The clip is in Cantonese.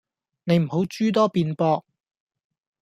你唔好諸多辯駁?